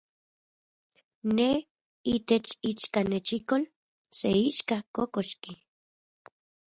Ne, itech ichkanechikol, se ixka kokoxki.